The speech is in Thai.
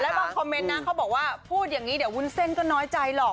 บางคอมเมนต์นะเขาบอกว่าพูดอย่างนี้เดี๋ยววุ้นเส้นก็น้อยใจหรอก